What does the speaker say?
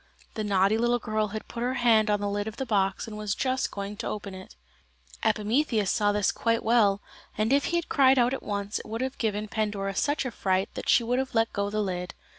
The naughty little girl had put her hand on the lid of the box and was just going to open it. Epimetheus saw this quite well, and if he had cried out at once it would have given Pandora such a fright she would have let go the lid.